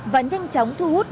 và nhanh chóng thu hút